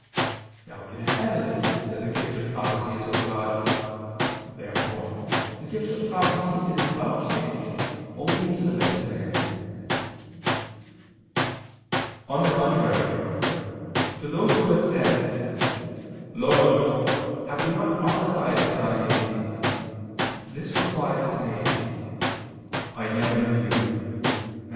Now it is evident that the gift of prophecy is from God. Therefore the gift of prophecy is vouchsafed only to the best men. On the contrary, To those who had said, "Lord, have we not prophesied in Thy name?" this reply is made: "I never knew you" (Matt.